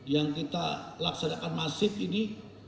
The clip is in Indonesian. yang kita laksanakan masif ini